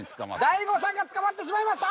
大悟さんが捕まってしまいました。